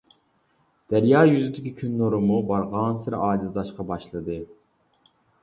دەريا يۈزىدىكى كۈن نۇرىمۇ بارغانسېرى ئاجىزلاشقا باشلىدى.